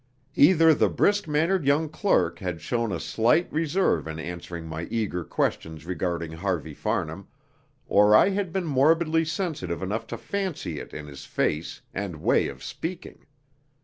Either the brisk mannered young "clerk" had shown a slight reserve in answering my eager questions regarding Harvey Farnham, or I had been morbidly sensitive enough to fancy it in his face and way of speaking.